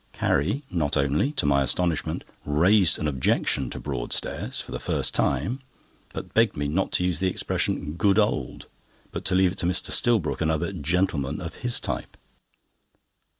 '" Carrie not only, to my astonishment, raised an objection to Broadstairs, for the first time; but begged me not to use the expression, "Good old," but to leave it to Mr. Stillbrook and other gentlemen of his type.